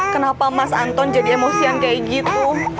kenapa mas anton jadi emosian kayak gitu